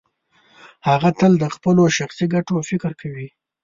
هغه تل د خپلو شخصي ګټو فکر کوي.